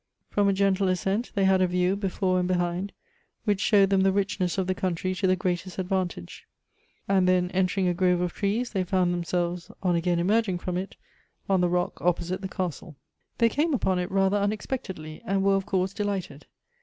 From a gentle ascent, they had a view, before and behind, which showed them the richness of the country to the greatest advantage ; and then, entering a grove of trees, they found themselves, on. again emerging from it, on the rock opposite the castle. 66 Goethe's They came upon it rather unexpectedly, and were of course delighted.